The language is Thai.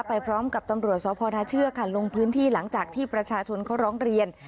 ไปพร้อมกับตำรวจสพนาเชือกค่ะลงพื้นที่หลังจากที่ประชาชนเขาร้องเรียน